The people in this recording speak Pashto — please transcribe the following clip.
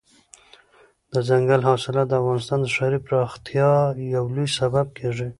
دځنګل حاصلات د افغانستان د ښاري پراختیا یو لوی سبب کېږي.